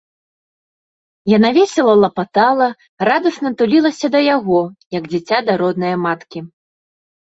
Яна весела лапатала, радасна тулілася да яго, як дзіця да роднае маткі.